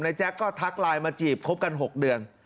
แจ๊คก็ทักไลน์มาจีบคบกัน๖เดือน